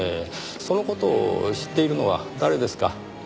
その事を知っているのは誰ですか？